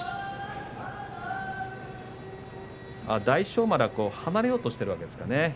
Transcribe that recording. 大翔丸は離れようとしているんですかね。